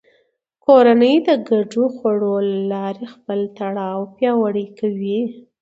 کورنۍ د ګډو خوړو له لارې خپل تړاو پیاوړی کوي